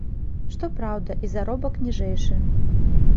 Што праўда, і заробак ніжэйшы.